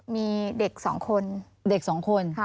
มีเด็กสองคน